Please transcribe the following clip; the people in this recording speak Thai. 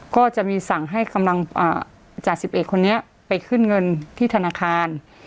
ก็จะมีสั่งให้กำลังจ่าสิบเอกคนนี้ไปขึ้นเงินที่ธนาคาร